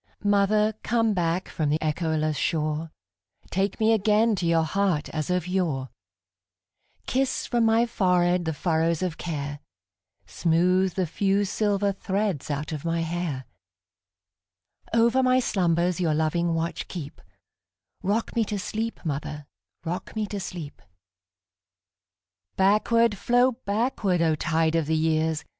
Mother, come back from the echoless shore, Take me again to your heart as of yore; Kiss from my forehead the furrows of care, Smooth the few silver threads out of my hair; Over my slumbers your loving watch keep;—Rock me to sleep, mother,—rock me to sleep! Backward, flow backward, O tide of the years!